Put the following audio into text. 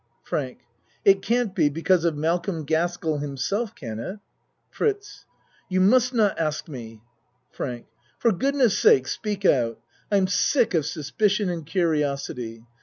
FRANK It can't be because of Malcolm Gaskell himself, can it? FRITZ You must not ask me. FRANK For goodness sake speak out. I'm sick of suspicion and curiosity.